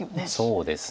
そうですね。